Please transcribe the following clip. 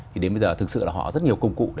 thì đến bây giờ thực sự là họ rất nhiều công cụ